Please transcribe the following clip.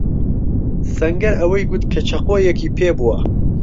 سەنگەر ئەوەی گوت کە چەقۆیەکی پێبووە.